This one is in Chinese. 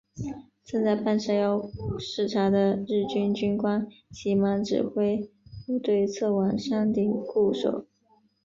正在半山腰视察的日军军官急忙指挥部队撤往山顶固守。